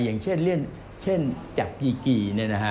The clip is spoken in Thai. อย่างเช่นเช่นจับยี่กกี่